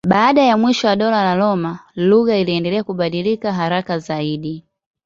Baada ya mwisho wa Dola la Roma lugha iliendelea kubadilika haraka zaidi.